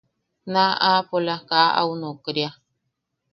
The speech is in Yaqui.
Naaʼa aapola kaa au nokria.